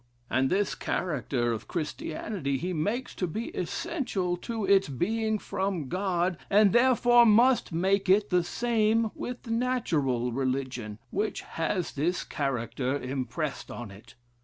And this character of Christianity he makes to be essential to its being from God, and therefore must make it the same with natural religion, which has this character impressed on it.